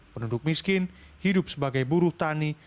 penduduk miskin hidup sebagai buruh tani